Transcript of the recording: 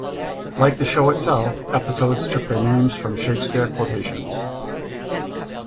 Like the show itself, episodes took their names from Shakespeare quotations.